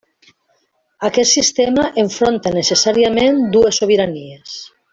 Aquest sistema enfronta necessàriament dues sobiranies.